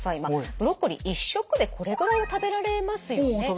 まあブロッコリー１食でこれぐらいは食べられますよね。